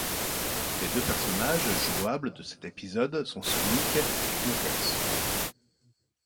Les deux personnages jouables de cet épisode sont Sonic et Knuckles.